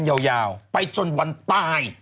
ต้องดูกันยาวไปจนวันตาย